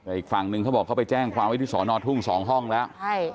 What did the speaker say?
อีกฝั่งนึงเขาบอกเขาไปแจ้งความไว้ที่สรนทุ่ง๒ห้องแล้ว